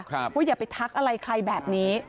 ว่าอย่าไปทักอะไรใครแบบนี้